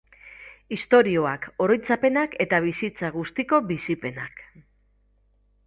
Istorioak, oroitzapenak eta bizitza guztiko bizipenak.